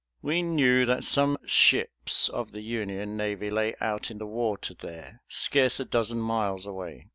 We knew that some ships of the Union navy lay out in the water there, scarce a dozen miles away.